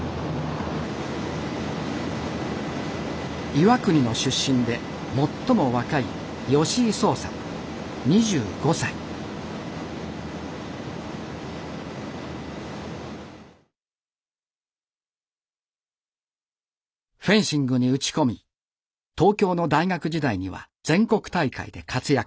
岩国の出身で最も若いフェンシングに打ち込み東京の大学時代には全国大会で活躍。